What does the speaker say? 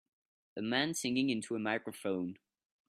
A man singing into a microphone